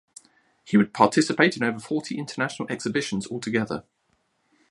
He would participate in over forty international exhibitions altogether.